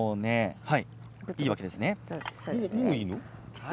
もういいの？